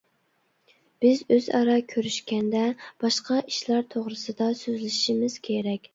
بىز ئۆزئارا كۆرۈشكەندە، باشقا ئىشلار توغرىسىدا سۆزلىشىمىز كېرەك.